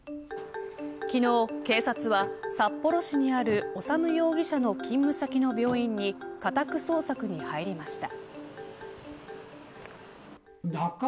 昨日、警察は札幌市にある修容疑者の勤務先の病院に家宅捜索に入りました。